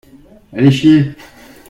Allez chier !